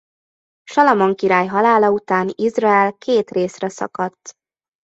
Salamon király halála után Izrael két részre szakadt.